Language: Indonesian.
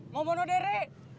mau bunuh diri